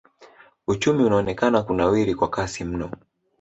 Uchumi unaonekana kunawiri kwa kasi mno.